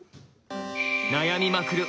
悩みまくる